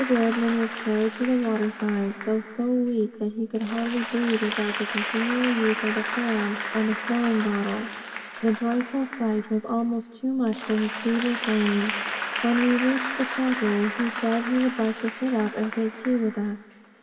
Boardman was carried to the waterside, though so weak that he could hardly breathe without the continual use of the fan and the smelling bottle. The joyful sight was almost too much for his feeble frame. When we reached the chapel, he said he would like to sit up and take tea with us.